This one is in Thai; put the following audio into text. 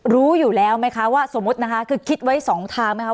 รู้อยู่แล้วไหมคะว่าสมมุตินะคะคือคิดไว้สองทางไหมคะ